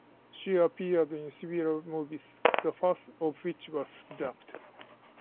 She appeared in several movies, the first of which was Zapped!